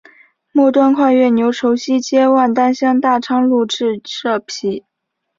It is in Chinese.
末端跨越牛稠溪接万丹乡大昌路至社皮。